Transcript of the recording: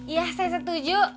iya saya setuju